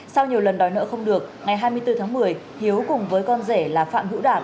sau nhiều lần đòi nợ không được ngày hai mươi bốn tháng một mươi hiếu cùng với con rể là phạm hữu đạt